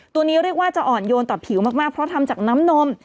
ตัวนี้เรียกว่าจะอ่อนโยนต่อผิวมากเพราะทำจากน้ำนม